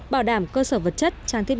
bảo đảm cơ sở vật chất trang thiết